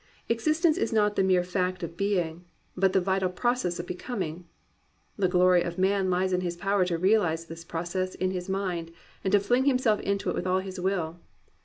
Existence is not the mere fact of being, but the vital process of becoming. The glory of man lies in his power to realize this process in his mind and to fling himself into it with all his will.